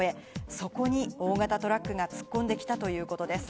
そこに大型トラックが突っ込んできたということです。